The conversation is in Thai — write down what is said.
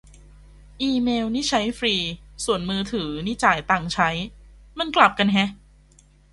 อีเมล์นี่ใช้ฟรี ส่วนมือถือ นี่จ่ายตังค์ใช้ มันกลับกันแฮะ